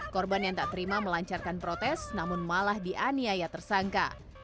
korban yang tak terima melancarkan protes namun malah dianiaya tersangka